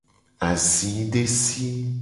Azi desi.